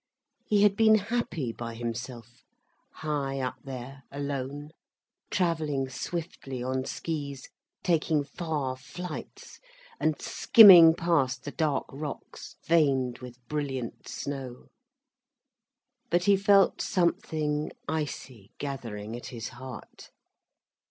He had been happy by himself, high up there alone, travelling swiftly on skis, taking far flights, and skimming past the dark rocks veined with brilliant snow. But he felt something icy gathering at his heart.